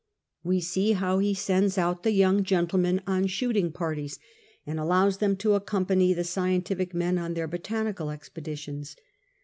We see how he sends out the young gentlemen on shoot ing parties, and allows them to accompany the scientific men on their botanical expeditions.